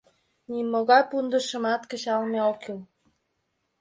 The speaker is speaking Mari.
Нимогай пундышымат кычалме огеш кӱл.